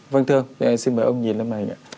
vâng thưa xin mời ông nhìn lên này